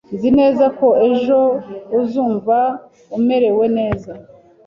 Nzi neza ko ejo uzumva umerewe neza.